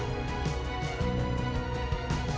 biasanya begini nggak ma